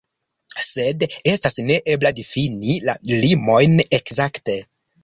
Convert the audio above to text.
Sed estas neebla difini la limojn ekzakte.